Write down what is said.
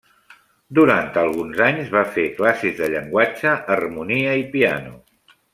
Durant alguns anys va fer classes de llenguatge, harmonia i piano.